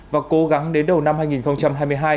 và cố gắng đến đầu năm hai nghìn hai mươi hai